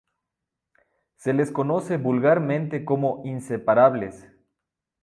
Se les conoce vulgarmente como inseparables.